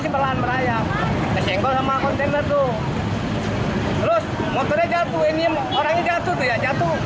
simpelan merayap kesenggol sama kontainer tuh motornya jatuh ini orangnya jatuh jatuh